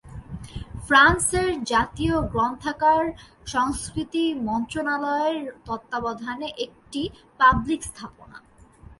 ফ্রান্সের জাতীয় গ্রন্থাগার সংস্কৃতি মন্ত্রণালয়ের তত্ত্বাবধানে একটি পাবলিক স্থাপনা।